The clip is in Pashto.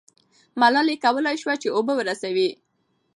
ملالۍ کولای سي چې اوبه ورسوي.